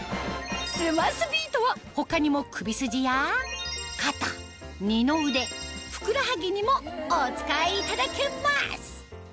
スマスビートは他にもふくらはぎにもお使いいただけます！